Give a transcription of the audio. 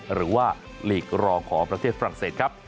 หรือว่าหลีกรองของประเทศฝรั่งเศสครับ